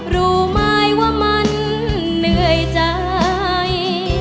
รู้ไหมว่ามันเหนื่อยใจ